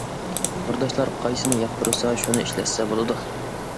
تورداشلار قايسىنى ياقتۇرسا شۇنى ئىشلەتسە بولىدۇ.